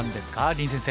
林先生。